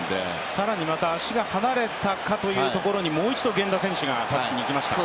更にまた足が離れたかというところにもう一度、源田選手がタッチいきました。